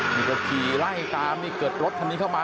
นี่ก็ขี่ไล่ตามนี่เกิดรถคันนี้เข้ามา